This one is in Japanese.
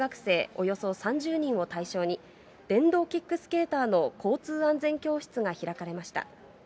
およそ３０人を対象に、電動キックスケーターの交通安全教室が開かれました。